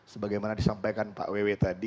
sebagaimana disampaikan pak wih wih tadi